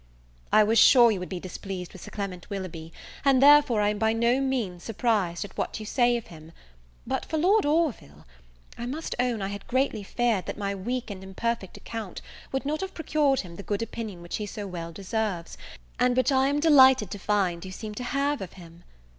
I was sure you would be displeased with Sir Clement Willoughby, and therefore I am by no means surprised at what you say of him; but for Lord Orville I must own I had greatly feared that my weak and imperfect account would not have procured him the good opinion which he so well deserves, and which I am delighted to find you seem to have of him.